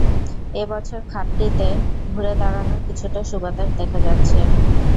এ বছর খাতটিতে ঘুরে দাঁড়ানোর কিছুটা সুবাতাস দেখা যাচ্ছে।